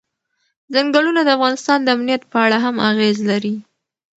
ځنګلونه د افغانستان د امنیت په اړه هم اغېز لري.